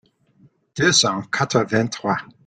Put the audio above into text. deux cent quatre-vingt-trois).